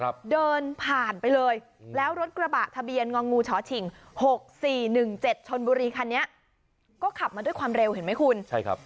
เพราะว่าขับมาด้วยความเร็วเห็นไหมคุณใช่ครับ